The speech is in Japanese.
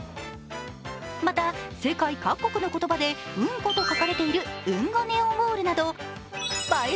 また、世界各国の言葉で「うんこ」と書かれているうん語ネオンウォールなど映え